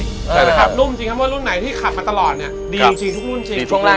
แต่นะครับนุ่มจริงคำว่ารุ่นไหนที่ขับมาตลอดเนี่ยดีจริงทุกรุ่นจริงช่วงแรก